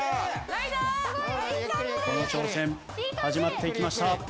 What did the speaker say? この挑戦始まっていきました。